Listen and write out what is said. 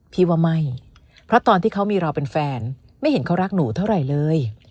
พี่ว่าไม่เพราะตอนที่เขามีเราเป็นแฟนไม่เห็นเขารักหนูเท่าไหร่เลย